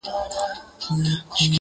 هـغــه اوس سيــمــي د تـــــه ځـــــي.